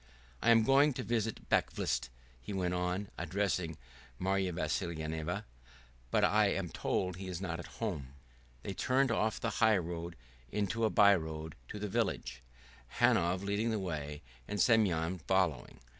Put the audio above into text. "I am going to visit Bakvist," he went on, addressing Marya Vassilyevna, "but I am told he is not at home." They turned off the highroad into a by road to the village, Hanov leading the way and Semyon following.